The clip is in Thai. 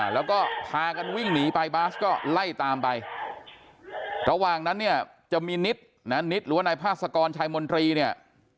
แล้วก็พากันวิ่งหนีไปบาสก็ไล่ตามไประหว่างนั้นเนี่ยจะมีนิดนะนิดหรือว่านายพาสกรชายมนตรีเนี่ย